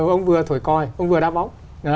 ông vừa thổi coi ông vừa đáp ốc